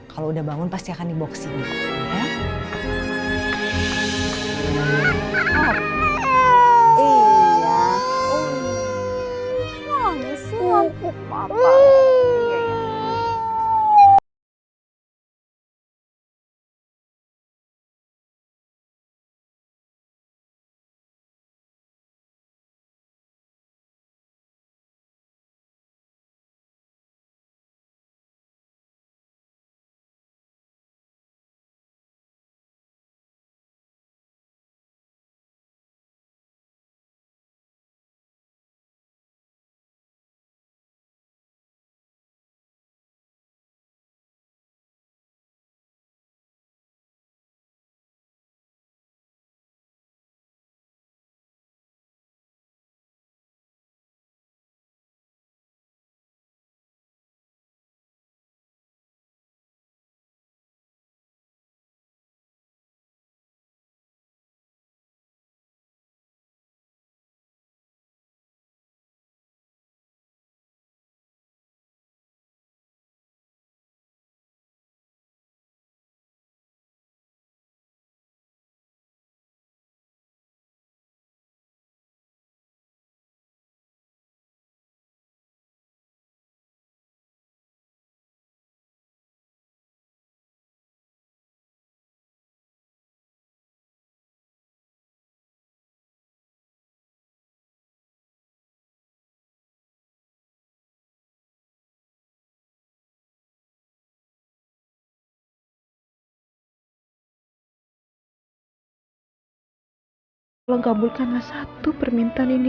kalau udah bangun pasti akan dibawa ke sini